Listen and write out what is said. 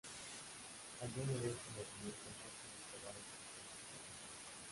Algunos de estos yacimientos han sido excavados sistemáticamente.